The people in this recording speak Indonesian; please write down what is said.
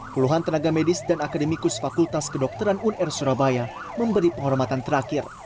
puluhan tenaga medis dan akademikus fakultas kedokteran unr surabaya memberi penghormatan terakhir